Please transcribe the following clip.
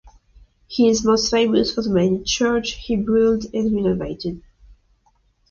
He is most famous for the many churches he built and renovated.